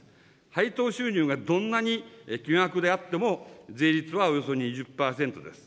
配当収入がどんなに巨額であっても、税率はおよそ２０％です。